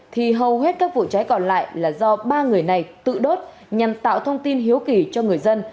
thì hầu hết các vụ cháy còn lại là do ba người này tự đốt nhằm tạo thông tin hiếu kỳ cho người dân